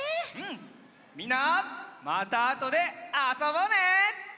みんなまたあとであそぼうね！